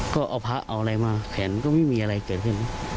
ก็เอาพระเอาอะไรมาแขนก็ไม่มีอะไรเกิดขึ้น